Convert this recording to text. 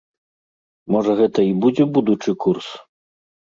Можа гэта і будзе будучы курс?